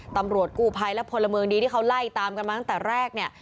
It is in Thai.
ตำรวจกู้ภัยและพลเมืองดีที่เขาไล่ตามกันมาตั้งแต่แรกเนี่ย